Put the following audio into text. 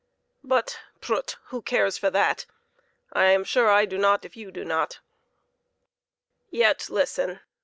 But, prut! Who cares for that? I am sure that I do not if you do not. Yet listen